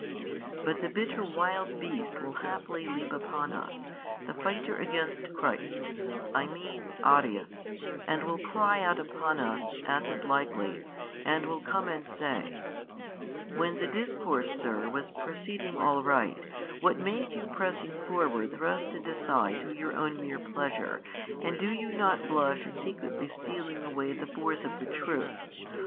But the bitter wild beast will haply leap upon us, the fighter against Christ, I mean Arius, and will cry out upon us (as is likely) and will come and say, "When the discourse, sir, was proceeding all right, what made you pressing forward thrust it aside to your own mere pleasure and do you not blush at secretly stealing away the force of the truth?